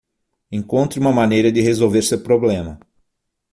Encontre uma maneira de resolver seu problema